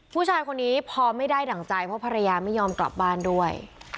ผู้ชายคนนี้พอไม่ได้ดั่งใจเพราะภรรยาไม่ยอมกลับบ้านด้วย